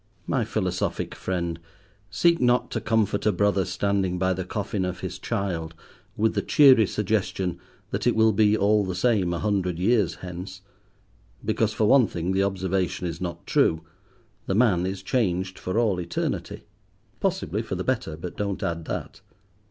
My philosophic friend, seek not to comfort a brother standing by the coffin of his child with the cheery suggestion that it will be all the same a hundred years hence, because, for one thing, the observation is not true: the man is changed for all eternity—possibly for the better, but don't add that.